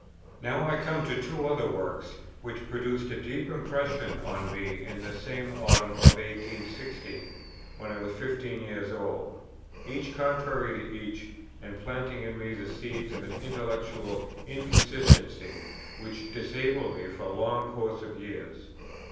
Now I come to two other works, which produced a deep impression on me in the same Autumn of 1816, when I was fifteen years old, each contrary to each, and planting in me the seeds of an intellectual inconsistency which disabled me for a long course of years.